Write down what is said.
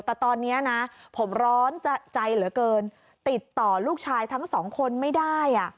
แต่ตอนนี้นะผมร้อนใจเหลือเกินติดต่อลูกชายทั้งสองคนไม่ได้